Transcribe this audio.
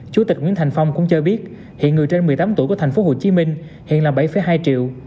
chủ tịch nguyễn thành phong cũng cho biết hiện người trên một mươi tám tuổi của tp hcm hiện là bảy hai triệu